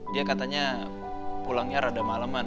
dia katanya pulangnya rada malaman